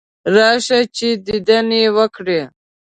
راشه چې دیدن یې وکړې.